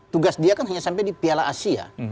tugas dia kan hanya sampai di piala asia